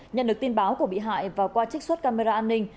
nhận được tin báo của bị hại và qua trích xuất camera an ninh